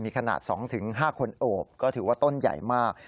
มีขนาด๒๕คนโอบก็ถือว่าต้นใหญ่มาก